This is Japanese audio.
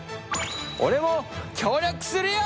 俺も協力するよ！